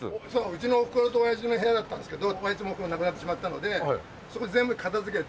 うちのおふくろと親父の部屋だったんですけど２人とも亡くなってしまったのでそこ全部片付けて。